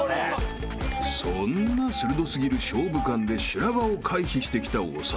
［そんな鋭過ぎる勝負勘で修羅場を回避してきた長田］